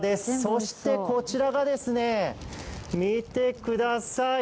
そしてこちらがですね、見てください。